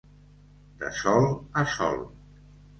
De sol a sol.